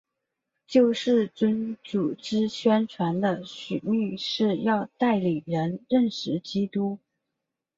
救世军组织宣传的使命是要带领人认识基督。